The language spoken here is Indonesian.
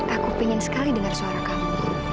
aku ingin sekali dengar suara kamu